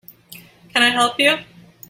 Can I help you?